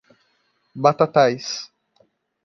Batatais